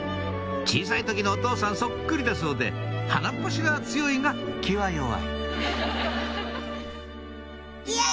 小さい時のお父さんそっくりだそうで鼻っ柱が強いが気は弱いイヤ！